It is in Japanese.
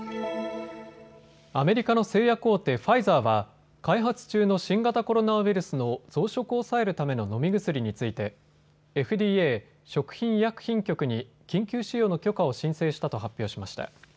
アメリカの製薬大手ファイザーは開発中の新型コロナウイルスの増殖を抑えるための飲み薬についてＦＤＡ・食品医薬品局に緊急使用の許可を申請したと発表しました。